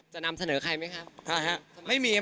จะนำเสนอใครไหมครับ